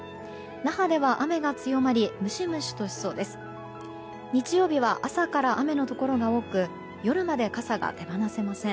那覇では雨が強まりムシムシとしそうです。